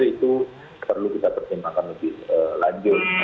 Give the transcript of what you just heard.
itu perlu kita pertimbangkan lebih lanjut